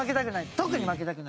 特に負けたくないです。